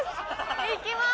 行きます！